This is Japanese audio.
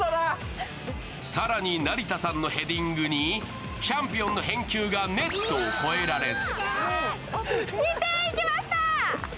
更に成田さんのヘディングにチャンピオンの返球がネットを越えられず。